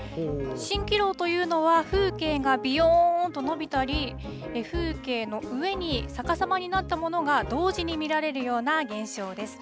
しんきろうというのは、風景がびよーんと伸びたり、風景の上に逆さまになったものが同時に見られるような現象です。